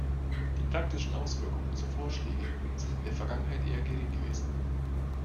Die praktischen Auswirkungen unserer Vorschläge sind in der Vergangenheit eher gering gewesen.